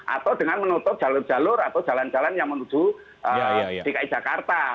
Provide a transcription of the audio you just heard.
atau dengan menutup jalur jalur atau jalan jalan yang menuju dki jakarta